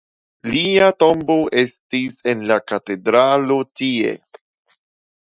Lia tombo estas en la katedralo tie.